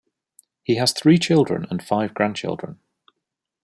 He has three children and five grandchildren.